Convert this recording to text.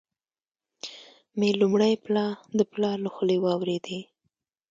مي لومړی پلا د پلار له خولې واروېدې،